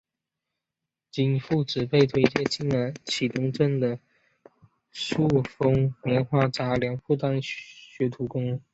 经父执辈推介进了启东镇的裕丰棉花杂粮铺当学徒工。